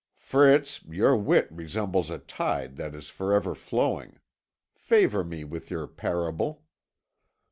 "Fritz, your wit resembles a tide that is for ever flowing. Favour me with your parable."